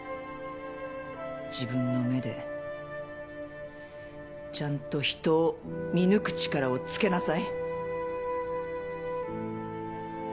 自分の目でちゃんと人を見抜く力をつけなさい。